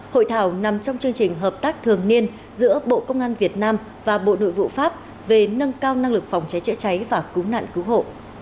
hội thảo nằm trong chương trình hợp tác thường niên giữa bộ công an việt nam và bộ nội vụ pháp về nâng cao năng lực phòng cháy chữa cháy và cứu nạn cứu hộ